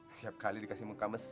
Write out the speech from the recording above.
setiap kali dikasih muka mesut